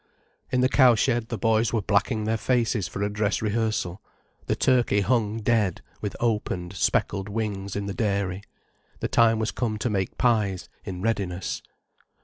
In the cow shed the boys were blacking their faces for a dress rehearsal; the turkey hung dead, with opened, speckled wings, in the dairy. The time was come to make pies, in readiness.